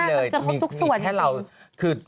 กระทบทุกส่วนจริง